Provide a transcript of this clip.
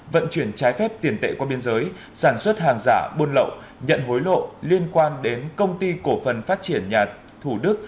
vận chuyển trái phép tiền tệ qua biên giới sản xuất hàng giả buôn lậu nhận hối lộ liên quan đến công ty cổ phần phát triển nhà thủ đức